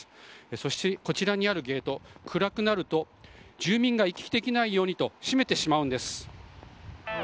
そして、こちらにあるゲート暗くなると住民が行き来できないようにと閉めてしまうんです。